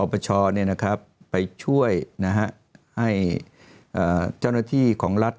ประชาไปช่วยให้เจ้าหน้าที่ของรัฐ